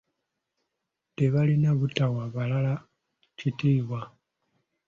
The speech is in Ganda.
Tebalina butawa balala kitiibwa.